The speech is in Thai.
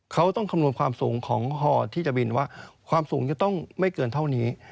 เขาต้องคำนวณความสูงของห่อที่จะบินว่าความสูงจะต้องไม่เกินเท่านี้